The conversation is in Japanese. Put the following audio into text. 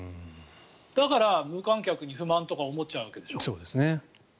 だから、無観客に不満とか思っちゃうわけでしょ。